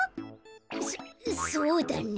そそうだね。